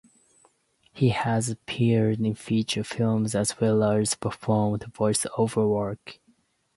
He has appeared in feature films as well as performed voice-over work.